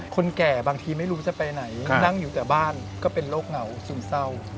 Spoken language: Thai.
คนแก่บางทีไม่รู้จะไปไหนนั่งอยู่แต่บ้านก็เป็นโรคเหงาซึมเศร้า